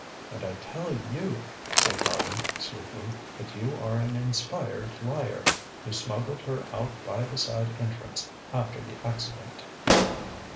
ŌĆØ ŌĆ£And I tell you, ŌĆØ said Harley sweetly, ŌĆ£that you are an inspired liar. You smuggled her out by the side entrance after the accident.